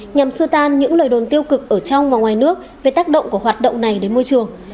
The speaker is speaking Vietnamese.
nhằm xua tan những lời đồn tiêu cực ở trong và ngoài nước về tác động của hoạt động này đến môi trường